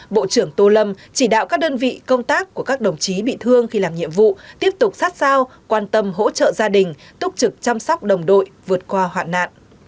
bộ trưởng tô lâm chỉ đạo các đơn vị công tác của các đồng chí bị thương khi làm nhiệm vụ tiếp tục sát sao quan tâm hỗ trợ gia đình túc trực chăm sóc đồng đội vượt qua hoạn nạn